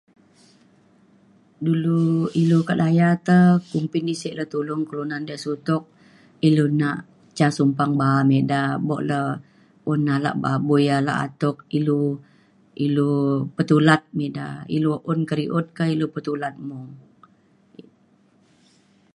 dulu ilu kak laya te kumbin di sek tulung kelunan diak sutok ilu nak ca sumpang ba’a me ida. buk le un alak babui alak atuk ilu ilu petulat me ida. ilu un kediut ka ilu petulat mung.